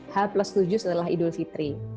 h plus tujuh setelah idul fitri